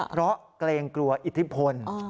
เพราะเกรงกลัวอิทธิพล